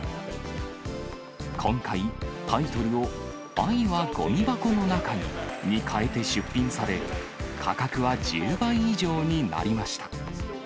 今回、タイトルを愛はごみ箱の中にに変えて出品され、価格は１０倍以上になりました。